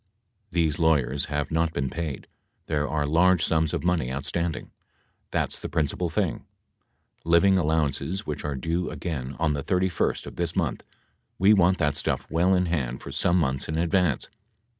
These lawyers have not been paid, there are large sums of money outstanding. That's the principal thing. Liv ing allowances which are due again on the 31st of this month, we want that stuff well in hand for some months in advance.